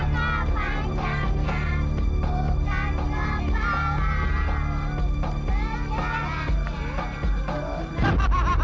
malah malah masih main